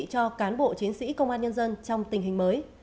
cho cán bộ chiến sĩ công an nhân dân trong tình hình mới